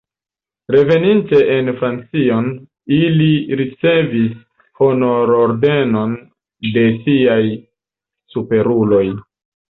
Reveninte en Francion, ili ricevis honor-ordenon de siaj superuloj.